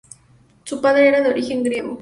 Su padre era de origen griego.